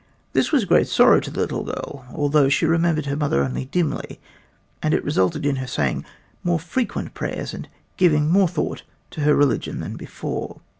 This was a great sorrow to the little girl, although she remembered her mother only dimly, and it resulted in her saying more frequent prayers and giving more thought to her religion than before.